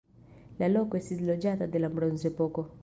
La loko estis loĝata de la bronzepoko.